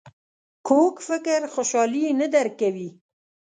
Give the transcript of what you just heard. کوږ فکر خوشحالي نه درک کوي